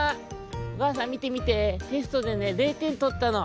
おかあさんみてみてテストでね０てんとったの！